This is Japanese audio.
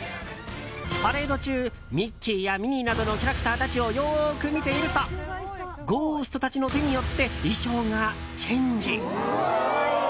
パレード中ミッキーやミニーなどのキャラクターたちをよく見ているとゴーストたちの手によって衣装がチェンジ。